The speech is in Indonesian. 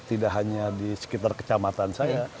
tidak hanya di sekitar kecamatan saya